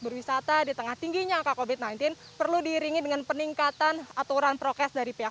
berwisata di tengah tingginya kakobit nantin perlu diiringi dengan peningkatan aturan prokes dari pihak